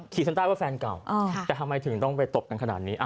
ฉันได้ว่าแฟนเก่าแต่ทำไมถึงต้องไปตบกันขนาดนี้